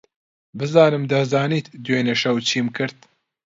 بزانم دەزانیت دوێنێ شەو چیم کرد.